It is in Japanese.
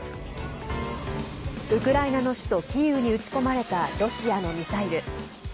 ウクライナの首都キーウに撃ち込まれたロシアのミサイル。